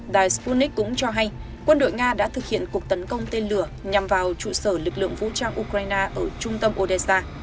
đài sputnik cũng cho hay quân đội nga đã thực hiện cuộc tấn công tên lửa nhằm vào trụ sở lực lượng vũ trang ukraine ở trung tâm odessa